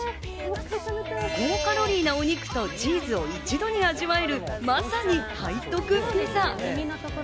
高カロリーなお肉とチーズを一度に味わえる、まさに背徳ピザ。